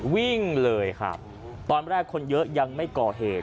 วิ่งเลยครับตอนแรกคนเยอะยังไม่ก่อเหตุ